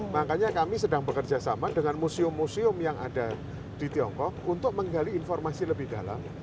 makanya kami sedang bekerjasama dengan museum museum yang ada di tiongkok untuk menggali informasi lebih dalam